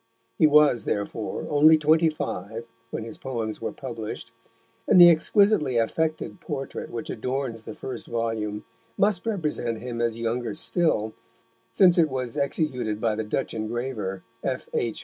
He was, therefore, only twenty five when his poems were published, and the exquisitely affected portrait which adorns the first volume must represent him as younger still, since it was executed by the Dutch engraver, F.H.